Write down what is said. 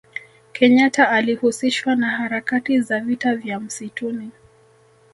kenyata alihusishwa na harakati za vita vya msituni